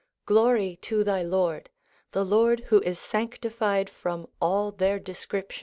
'Glory to thy Lord, the Lord who is sanctified from all their descriptions.'